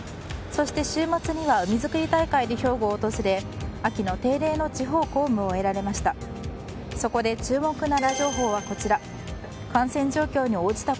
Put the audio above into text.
そして週末には海づくり大会で兵庫を訪れ秋の定例の地方公務を終えられました。